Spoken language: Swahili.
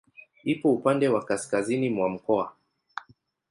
Ipo upande wa kaskazini mwa mkoa.